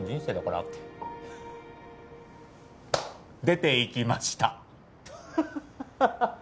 出ていきました！